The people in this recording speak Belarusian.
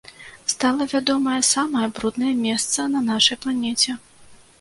Стала вядомае самае бруднае месца на нашай планеце.